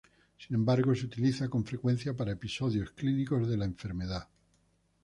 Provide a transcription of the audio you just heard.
Sin embargo se utiliza con frecuencia para episodios clínicos de la enfermedad.